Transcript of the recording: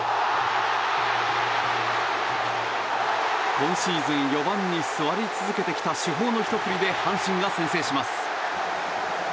今シーズン４番に座り続けてきた主砲のひと振りで阪神が先制します。